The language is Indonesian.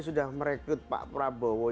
sudah merekrut pak prabowo